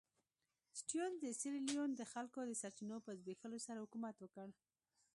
سټیونز د سیریلیون د خلکو د سرچینو په زبېښلو سره حکومت وکړ.